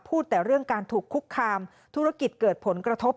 แต่เรื่องการถูกคุกคามธุรกิจเกิดผลกระทบ